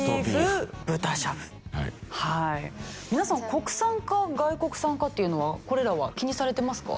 国産か外国産かっていうのはこれらは気にされてますか？